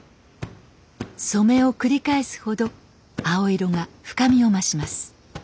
染めを繰り返すほど青色が深みを増します。